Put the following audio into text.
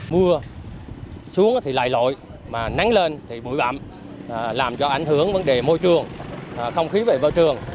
mưa xuống thì lại lội mà nắng lên thì bụi bậm làm cho ảnh hưởng vấn đề môi trường không khí về vợ trường